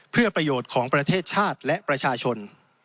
เพื่อประโยชน์ของประเทศชาติและประชาชน